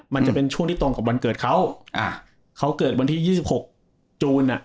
มันจะเป็นช่วงที่ตรงกับวันเกิดเขาอ่าเขาเขาเกิดวันที่ยี่สิบหกจูนอ่ะ